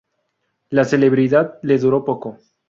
La celebridad le duró poco.